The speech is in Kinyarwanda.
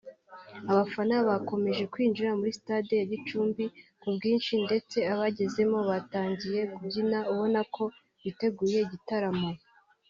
Abafana bakomeje kwinjira muri Stade ya Gicumbi ku bwinshi ndetse abagezemo batangiye kubyina ubona ko biteguye igitaramo